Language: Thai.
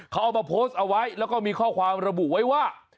เขาเอามาโพสต์เอาไว้แล้วก็มีข้อความระบุไว้ว่า